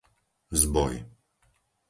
Zboj